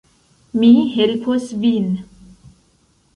Mi helpos vin